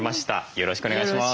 よろしくお願いします。